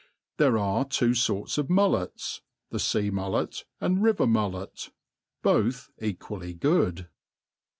There are two forts of muIIetSj the fca*mu! Ict and river* mullet i both equally good.